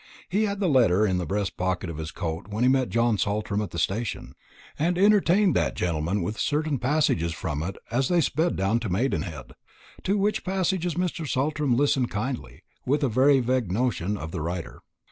He had the letter in the breast pocket of his coat when he met John Saltram at the station, and entertained that gentleman with certain passages from it as they sped down to Maidenhead. To which passages Mr. Saltram listened kindly, with a very vague notion of the writer.